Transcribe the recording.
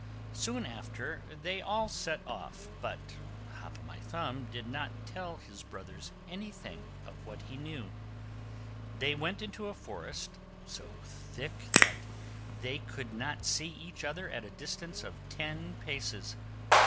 Soon after, they all set off, but Hop o' My Thumb did not tell his brothers anything of what he knew. They went into a forest, so thick that they could not see each other at a distance of ten paces.